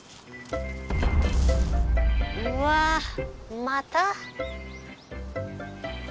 うわまた？